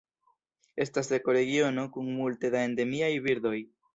Estas ekoregiono kun multe da endemiaj birdoj.